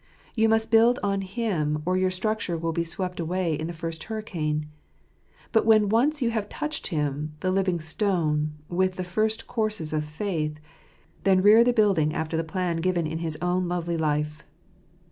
You must build on Him; or your structure will be swept away in the first hurricane. But when' once you have touched Him, the living stone, with the first courses of faith — then rear the building after the plan given in His own lovely life.